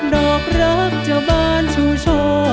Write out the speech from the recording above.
ดอกรักจะบานชู่ช่อ